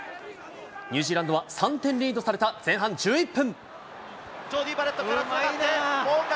ニュージーランドは３点リードされた前半１１分。